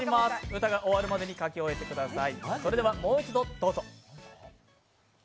歌が終わるまでに描き終えてください。